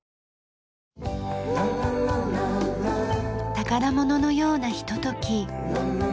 宝物のようなひととき。